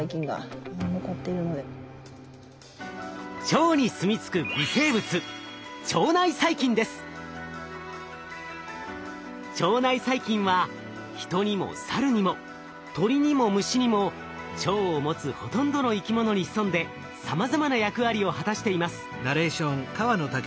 腸にすみ着く微生物腸内細菌はヒトにもサルにも鳥にも虫にも腸を持つほとんどの生き物に潜んでさまざまな役割を果たしています。